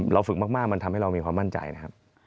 ฝึกมากมันทำให้เรามีความมั่นใจนะครับ